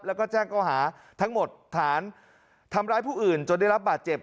แล้วก็แจ้งเขาหาทั้งหมดฐานทำร้ายผู้อื่นจนได้รับบาดเจ็บ